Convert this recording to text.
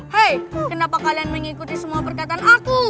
hei kenapa kalian mengikuti semua perkataan aku